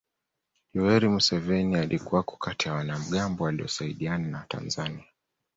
Yoweri Museveni alikuwako kati ya wanamgambo waliosaidiana na Watanzania